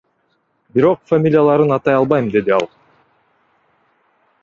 Бирок фамилияларын атай албайм, — деди ал.